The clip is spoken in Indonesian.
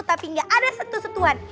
tapi nggak ada setu setuan